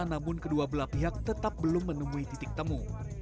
namun kedua belah pihak tetap belum menemui titik temu